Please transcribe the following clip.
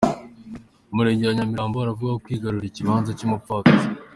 Mu murenge wa Nyamirambo haravugwaho kwigarurira ikibanza cy’umupfakazi